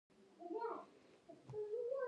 نیم کښ نظر د کړکۍ، ویښ خیالونه